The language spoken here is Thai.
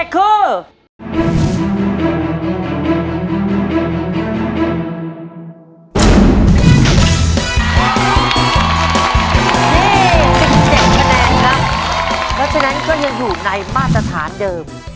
เพราะฉะนั้นก็ยังอยู่ในมาตรฐานเดิม